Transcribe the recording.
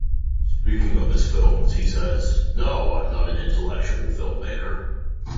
Speaking of his films, he says, No, I'm not an intellectual filmmaker.